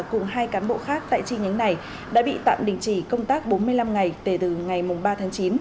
cùng hai cán bộ khác tại chi nhánh này đã bị tạm đình chỉ công tác bốn mươi năm ngày kể từ ngày ba tháng chín